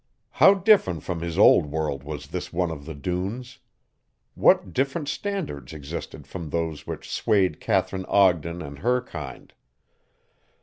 How different from his old world was this one of the dunes! What different standards existed from those which swayed Katharine Ogden and her kind!